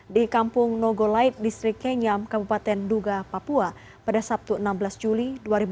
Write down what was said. di kampung nogolait distrik kenyam kabupaten duga papua pada sabtu enam belas juli dua ribu dua puluh